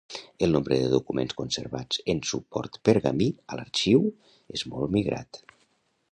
El nombre de documents conservats en suport pergamí a l'arxiu és molt migrat.